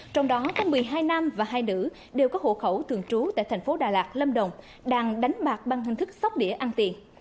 trong đó có một mươi hai nam và hai nữ đều có hộ khẩu thường trú tại thành phố đà lạt lâm đồng đang đánh bạc bằng hình thức sóc đĩa ăn tiền